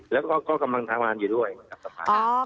แล้วก็กำลังทำงานอยู่ด้วยกับสภาพ